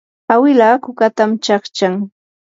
awila kukatan chaqchan.